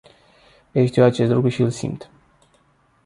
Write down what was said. Ei știu acest lucru și îl simt.